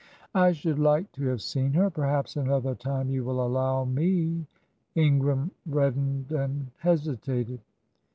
"I should like to have seen her. Perhaps another time you will allow me " Ingram reddened and hesitated.